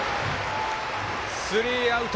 スリーアウト！